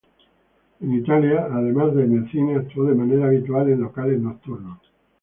En Italia, además de en el cine, actuó de manera habitual en locales nocturnos.